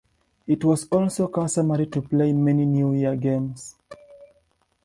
It was also customary to play many New Year's games.